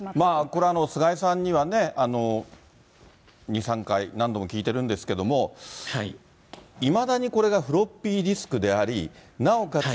これ、菅井さんにはね、２、３回、何度も聞いているんですけれども、いまだにこれがフロッピーディスクであり、なおかつ